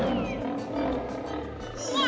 うわ！